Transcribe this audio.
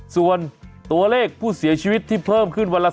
ส่วนตัวเลขผู้เสียชีวิตที่เพิ่มขึ้นวันละ๓๐